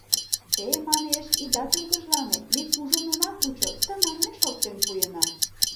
Те, — манеш, — ида тургыжлане, ме кужун она кучо, тыманмеш оптен пуэна...